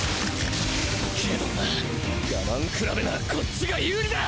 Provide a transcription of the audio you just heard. けどな我慢比べならこっちが有利だ。